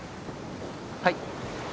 はい？